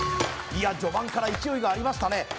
いや序盤から勢いがありましたね